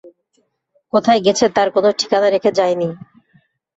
কোথায় গেছে তার কোনো ঠিকানা রেখে যায় নি।